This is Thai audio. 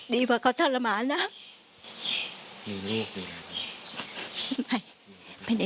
ดีเหรอเค้าทรมานนะ